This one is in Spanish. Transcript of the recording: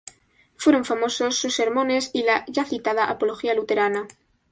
Fueron famosos sus "Sermones" y la ya citada apología luterana.